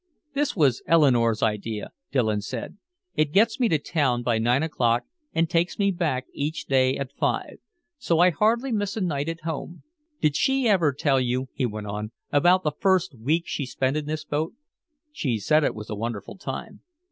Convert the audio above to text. "This was Eleanore's idea," Dillon said. "It gets me to town by nine o'clock and takes me back each day at five. So I hardly miss a night at home.... Did she ever tell you," he went on, "about the first week she spent in this boat?" "She said it was a wonderful time."